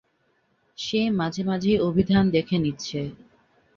সে মাঝেমাঝেই অভিধান দেখে নিচ্ছে।